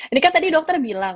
ini kan tadi dokter bilang